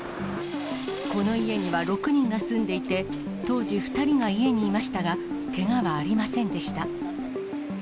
この家には６人が住んでいて、当時、２人が家にいましたが、けがはありませんでした。